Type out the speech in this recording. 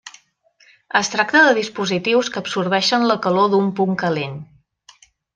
Es tracta de dispositius que absorbeixen la calor d’un punt calent.